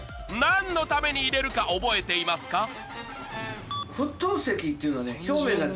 何のために入れるか覚えていますか？